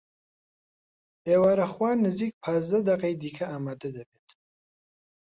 ئێوارەخوان نزیک پازدە دەقەی دیکە ئامادە دەبێت.